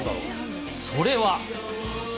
それは。